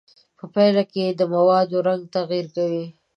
په پایله کې د موادو رنګ تغیر کوي.